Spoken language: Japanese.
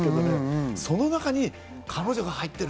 その中に彼女が入ってる。